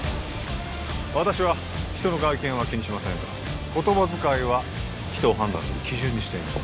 私は人の外見は気にしませんが言葉遣いは人を判断する基準にしています